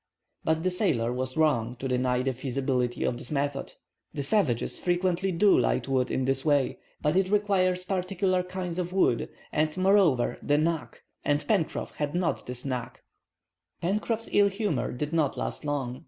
But the sailor was wrong to deny the feasibility of this method. The savages frequently do light wood in this way. But it requires particular kinds of wood, and, moreover, the "knack," and Pencroff had not this "knack." Pencroff's ill humor did not last long.